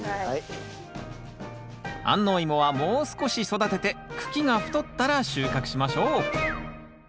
安納いもはもう少し育てて茎が太ったら収穫しましょう。